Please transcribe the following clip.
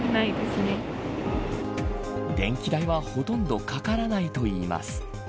電気代はほとんどかからないといいます。